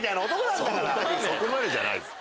そこまでじゃないっすよ。